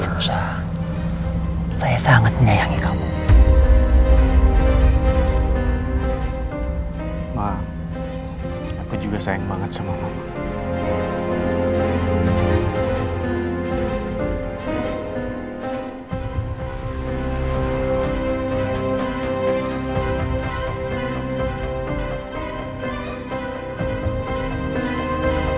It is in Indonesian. karena banyak petunjuk disekitar kalian